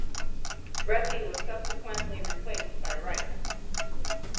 Reti was subsequently replaced by Wright.